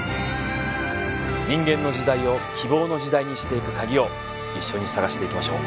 人間の時代を希望の時代にしていくカギを一緒に探していきましょう！